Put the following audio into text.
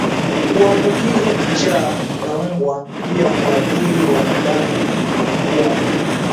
kuambukizwa kichaa cha mbwa Pia huathiri wanadamu na mbwa